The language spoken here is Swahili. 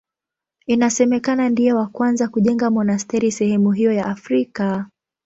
Inasemekana ndiye wa kwanza kujenga monasteri sehemu hiyo ya Afrika.